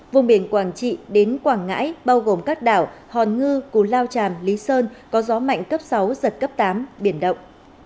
vùng biển quảng trị đến quảng ngãi bao gồm các đảo hòn ngư cú lao tràm lý sơn có gió mạnh cấp sáu giật cấp tám biển động